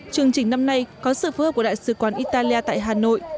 chương trình năm nay có sự phối hợp của đại sứ quán italia tại hà nội